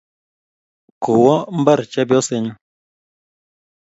Kowo mbar chepyosenyu